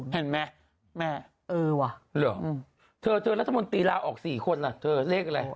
เห็นไหมแม่เออว่ะเหรอเธอเธอรัฐมนตรีลาออก๔คนล่ะเธอเลขอะไร